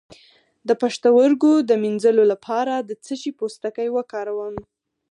د پښتورګو د مینځلو لپاره د څه شي پوستکی وکاروم؟